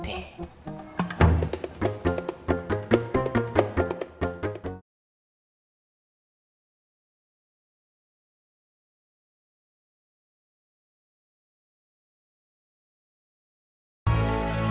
terima kasih bang